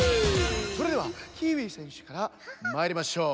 それではキーウィせんしゅからまいりましょう。